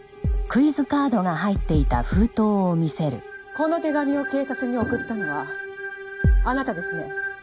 この手紙を警察に送ったのはあなたですね？